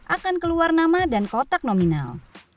akan keluar nama dan kotak nominal